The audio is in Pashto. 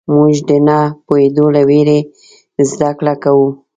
موږ د نه پوهېدو له وېرې زدهکړه کوو.